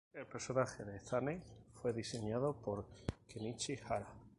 El personaje de Zane fue diseñado por Kenichi Hara.